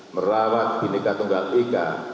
merawat dineka tunggal ika